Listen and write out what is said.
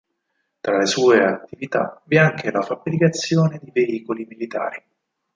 Tra le sue attività vi è anche la fabbricazione di veicoli militari.